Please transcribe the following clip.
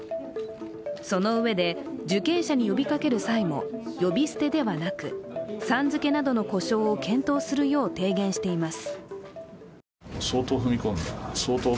そのうえで受刑者に呼びかける際も、呼び捨てではなく、さん付けなどの呼称を検討するよう提言しています。